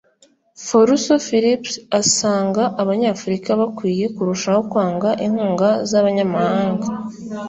Foluso Phillips asanga Abanyafurika bakwiye kurushaho kwanga inkunga z’abanyamahanga